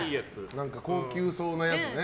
高級そうなやつね。